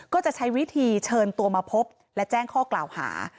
ก็จะใช้วิธีเชิญตัวมาพบและแจ้งข้อกล่าวหา